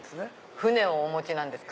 船をお持ちなんですか？